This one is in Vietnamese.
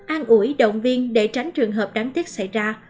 an ủi động viên để tránh trường hợp đáng tiếc xảy ra